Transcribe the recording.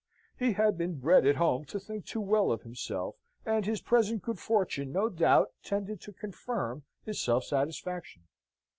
He had been bred at home to think too well of himself, and his present good fortune no doubt tended to confirm his self satisfaction.